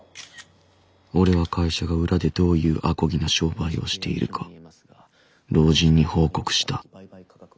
俺は会社が裏でどういうあこぎな商売をしているか老人に報告した。